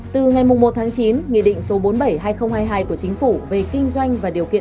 từ ngày một chín nghị định số bốn mươi bảy hai nghìn hai mươi hai của chính phủ về kinh doanh và điều kiện